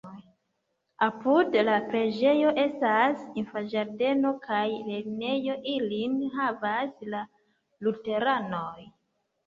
Apud la preĝejo estas infanĝardeno kaj lernejo, ilin havas la luteranoj.